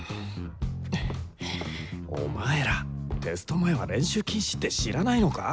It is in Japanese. お前らテスト前は練習禁止って知らないのか？